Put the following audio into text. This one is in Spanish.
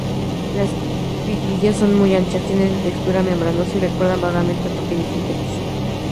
Las espiguillas son muy anchas, tienen textura membranosa y recuerdan vagamente a pequeños insectos.